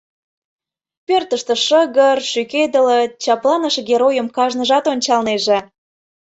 Пӧртыштӧ шыгыр, шӱкедылыт, чапланыше геройым кажныжат ончалнеже.